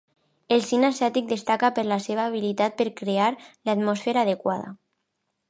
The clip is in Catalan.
El cine asiàtic destaca per la seva habilitat per crear l'atmosfera adequada.